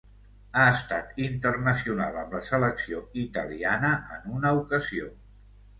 Ha estat internacional amb la selecció italiana en una ocasió.